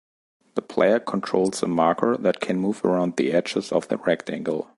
The player controls a marker that can move around the edges of the rectangle.